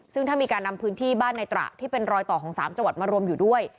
ซึ่งถ้ามีการนำพื้นที่บ้านในตระที่เป็นรอยต่อของ๓จังหวัดมารวมอยู่ด้วย